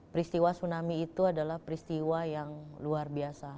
peristiwa tsunami itu adalah peristiwa yang luar biasa